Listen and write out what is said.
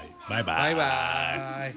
バイバイ！